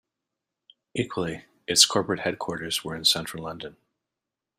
Equally, its corporate headquarters were in central London.